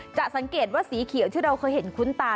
สังเกตว่าสีเขียวที่เราเคยเห็นคุ้นตา